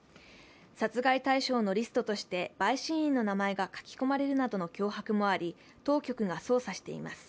殺害対象のリストとして陪審員の名前が書き込まれるなどの脅迫もあり、当局が捜査しています。